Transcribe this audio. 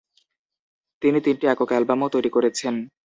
তিনি তিনটি একক অ্যালবামও তৈরি করেছেন।